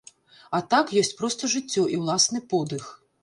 А так ёсць проста жыццё і ўласны подых.